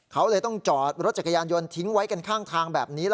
เขาเลยต้องจอดรถจักรยานยนต์ทิ้งไว้กันข้างทางแบบนี้